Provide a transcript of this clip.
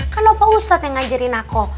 kan pak ustadz yang ngajarin aku